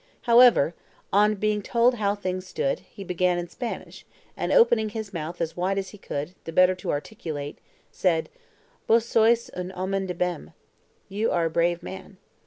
However, on being told how things stood, he began in Spanish, and opening his mouth as wide as he could, the better to articulate, said: "Vos sois um homen de bem." (You are a brave man.)